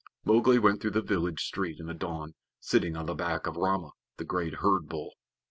Mowgli went through the village street in the dawn, sitting on the back of Rama, the great herd bull.